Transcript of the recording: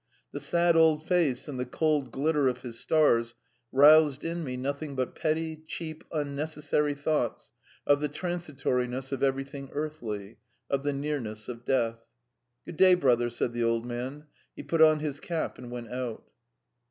The sad old face and the cold glitter of his stars roused in me nothing but petty, cheap, unnecessary thoughts of the transitoriness of everything earthly, of the nearness of death. ... "Good day, brother," said the old man. He put on his cap and went out.